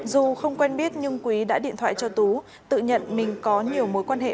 dù không quen biết nhưng quý đã điện thoại cho tú tự nhận mình có nhiều mối quan hệ